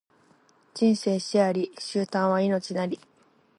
人生死あり、終端は命なり